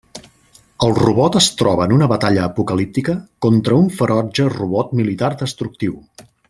El robot es troba en una batalla apocalíptica contra un ferotge robot militar destructiu.